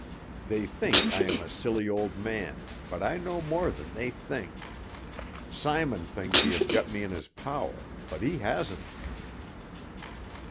They think I am a silly old man, but I know more than they think. Simon thinks he has got me in his power, but he hasn't."